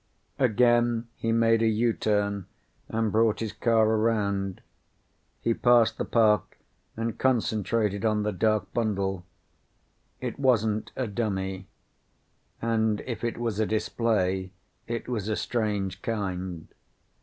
Again he made a U turn and brought his car around. He passed the park and concentrated on the dark bundle. It wasn't a dummy. And if it was a display it was a strange kind.